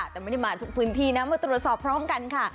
แต่ไม่ได้มาทุกพื้นที่นะมาตรวจสอบพร้อมกันค่ะ